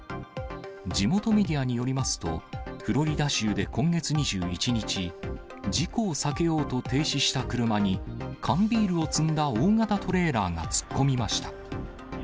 地元メディアによりますと、フロリダ州で今月２１日、事故を避けようと停止した車に、缶ビールを積んだ大型トレーラーが突っ込みました。